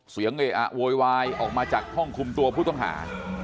เออะโวยวายออกมาจากห้องคุมตัวผู้ต้องหา